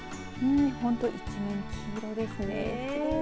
本当に一面黄色ですね。